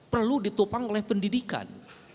perlu ditopang oleh pendidikan